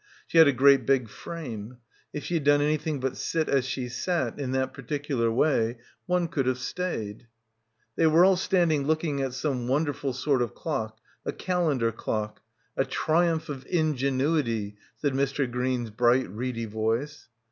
She had a great big frame. If she had done anything but sit as she sat, in that particular way, one could have stayed. They were all standing looking at some wonder ful sort of clock, a calendar clock — 'a triumph of ingenuity/ said Mr. Green's bright reedy voice.